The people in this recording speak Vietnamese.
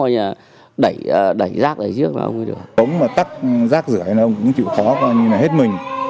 coi nhà đẩy đẩy ra đây giữ ông đi được cũng mà tắt giáp rửa nó cũng chịu khó con như là hết mình